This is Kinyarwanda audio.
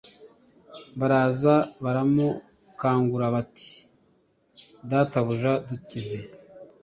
baraza baramukangura bati databuja dukize